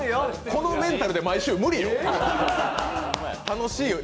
このメンタルで毎週無理よ。